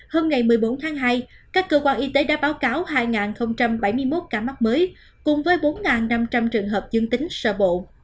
hôm ngày một mươi bốn tháng hai các cơ quan y tế đã báo cáo hai bảy mươi một ca mắc mới cùng với bốn năm trăm linh trường hợp dương tính sở bộ